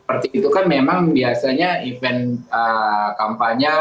seperti itu kan memang biasanya event kampanye